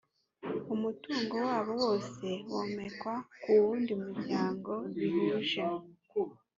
umutungo wabo wose womekwa ku wundi muryango bihuje